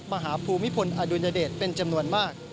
มหาภูมิภูมิอดุญาเดชเป็นจำนวนมาก